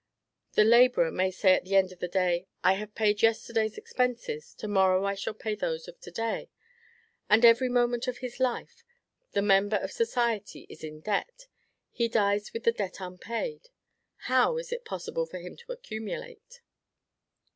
The laborer may say at the end of the day, "I have paid yesterday's expenses; to morrow I shall pay those of today." At every moment of his life, the member of society is in debt; he dies with the debt unpaid: how is it possible for him to accumulate?